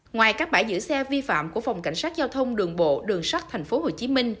ngoài các bãi giữ xe vi phạm của phòng cảnh sát giao thông đường bộ đường sắt tp hcm